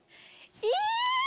え！